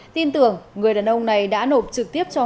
tin tưởng người đàn ông này đã nộp trực tiếp cho